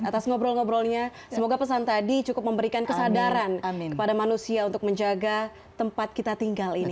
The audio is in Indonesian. atas ngobrol ngobrolnya semoga pesan tadi cukup memberikan kesadaran kepada manusia untuk menjaga tempat kita tinggal ini